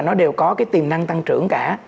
nó đều có cái tiềm năng tăng trưởng cả